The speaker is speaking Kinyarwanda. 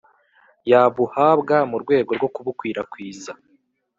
yabuhabwa mu rwego rwo kubukwirakwiza